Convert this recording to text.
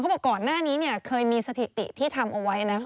บอกก่อนหน้านี้เนี่ยเคยมีสถิติที่ทำเอาไว้นะ